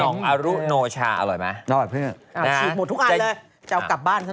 น้อลุโนชา